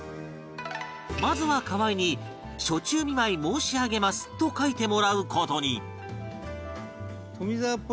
まずは河合に「暑中見舞い申し上げます」と書いてもらう事に